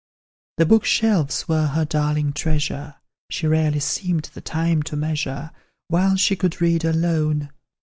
The book shelves were her darling treasure, She rarely seemed the time to measure While she could read alone.